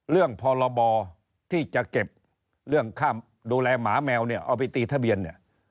พรบที่จะเก็บเรื่องค่าดูแลหมาแมวเนี่ยเอาไปตีทะเบียนเนี่ย